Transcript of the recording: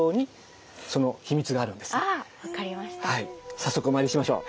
早速お参りしましょう。